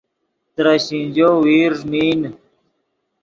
ترے شینجو ویرݱ نین